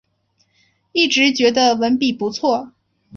一直觉得文笔不错